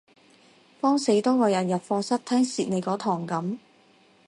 慌死多個人入課室聽蝕你嗰堂噉